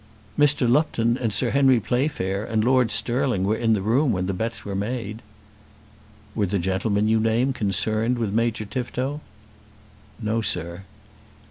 "Mr. Lupton, and Sir Henry Playfair, and Lord Stirling were in the room when the bets were made." "Were the gentlemen you name concerned with Major Tifto?" "No, sir."